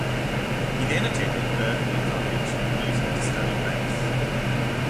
He then attended Berklee College of Music to study bass.